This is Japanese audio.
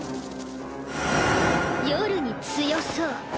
夜に強そう。